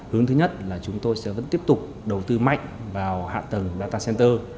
hướng thứ nhất là chúng tôi sẽ vẫn tiếp tục đầu tư mạnh vào hạ tầng data center